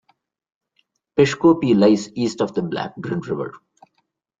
Peshkopi lies east of the Black Drin river.